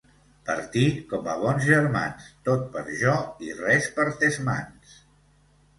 Partir com a bons germans: tot per jo i res per tes mans.